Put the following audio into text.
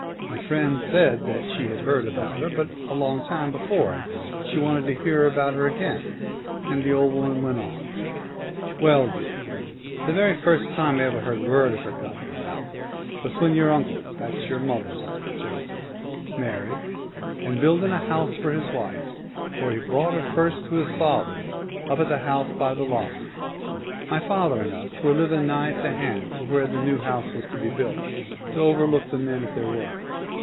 My friend said that she had heard about her, but a long time before, and she wanted to hear about her again ; and the old woman went on, ' Well, dear, the very first time ever I heard word of her coming about was when your uncle — that is, your mother's uncle — Joseph married, and building a house for his wife, for he brought her first to his father's, up at the house by the Lough. My father and us were living nigh hand to where the new house was to be built, to over look the men at their work.